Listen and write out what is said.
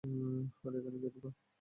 আরে, এখানে কে বোকা?